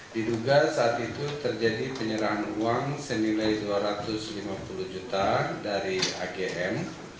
diduga saat itu terjadi penyerahan uang senilai dua ratus lima puluh juta dari agm